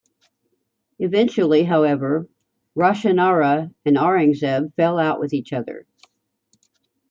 Eventually, however, Roshanara and Aurangzeb fell out with each other.